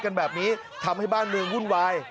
กันแบบนี้ทำให้บ้านเมืองวุ่นวาย